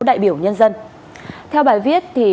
đại biểu nhân dân theo bài viết